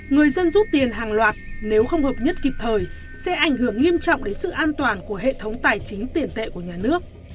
người dân rút tiền hàng loạt nếu không hợp nhất kịp thời sẽ ảnh hưởng nghiêm trọng đến sự an toàn của hệ thống tài chính tiền tệ của nhà nước